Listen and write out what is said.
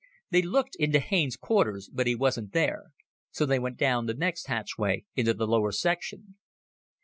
They looked into Haines's quarters but he wasn't there. So they went down the next hatchway into the lower section.